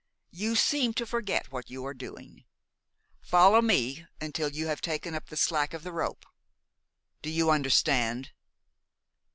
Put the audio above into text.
"You seem to forget what you are doing. Follow me until you have taken up the slack of the rope. Do you understand?"